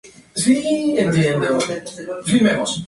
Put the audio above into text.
Desde Universidad Católica a Área Central.